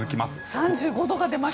３５度が出ました。